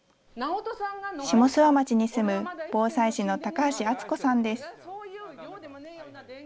下諏訪町に住む、防災士の高橋敦子さんです。